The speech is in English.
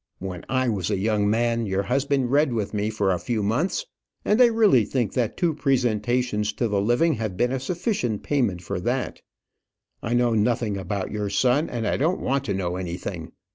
When I was a young man your husband read with me for a few months; and I really think that two presentations to the living have been a sufficient payment for that. I know nothing about your son, and I don't want to know anything.